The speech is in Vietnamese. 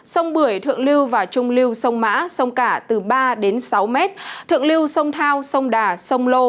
sông bưởi thượng lưu và trung lưu sông mã sông cả từ ba đến sáu mét thượng lưu sông thao sông đà sông lô